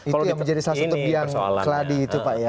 itu yang menjadi sasetut biang keladi itu pak ya